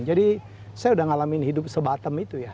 jadi saya udah ngalamin hidup sebatem itu ya